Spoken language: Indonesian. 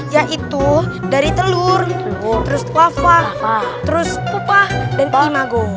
yaitu dari telur terus wafah terus pupah dan imago